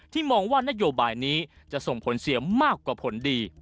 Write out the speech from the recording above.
มองว่านโยบายนี้จะส่งผลเสียมากกว่าผลดี